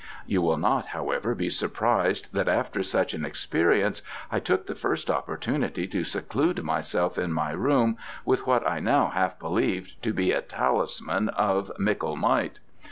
You will not, however, be surprised that after such an experience I took the first opportunity to seclude myself in my room with what I now half believed to be a talisman of mickle might.